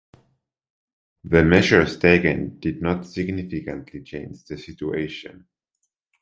The measures taken did not significantly change the situation.